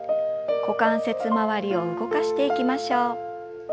股関節周りを動かしていきましょう。